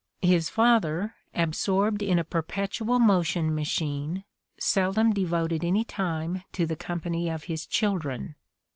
His father, absorbed in a perpetual motion machine, "seldom devoted any time to the company of his children."